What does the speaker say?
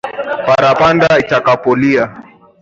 Parapanda itakapolia